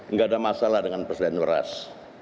nggak ada masalah dengan persediaan beras